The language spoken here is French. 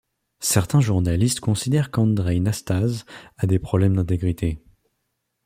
Certains journalistes considèrent qu'Andrei Năstase a des problèmes d'intégrité.